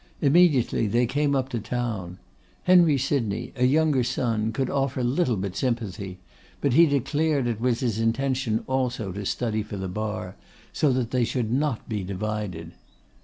Immediately they came up to town. Henry Sydney, a younger son, could offer little but sympathy, but he declared it was his intention also to study for the bar, so that they should not be divided.